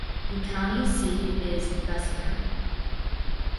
The county seat is Bessemer.